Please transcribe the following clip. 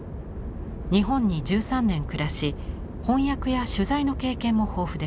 日本に１３年暮らし翻訳や取材の経験も豊富です。